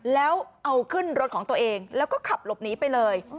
แล้วเอาขึ้นรถของตัวเองแล้วก็ขับหลบหนีไปเลย